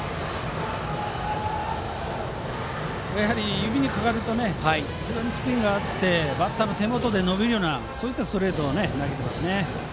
指にかかると非常にスピンがあってバッターの手元で伸びるようなストレートを投げていますよね。